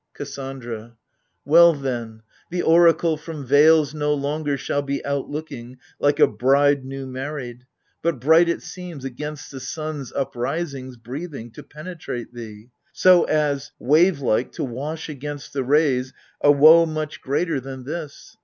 KASSANDRA. Well then, the oracle from veils no longer Shall be outlooking, like a bride new married : But bright it seems, against the sun's uprisings Breathing, to penetrate thee : so as, wave like. To wash against the rays a woe much greater Than this.